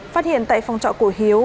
phát hiện tại phòng trọ của hiếu